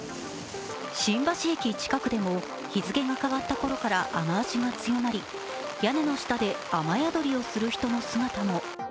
新橋駅近くでも日付が変わったころから雨足が強まり屋根の下で雨宿りをする人の姿も。